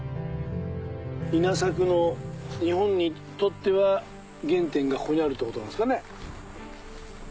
稲作の日本にとっては原点がここにあるってことなんですかね。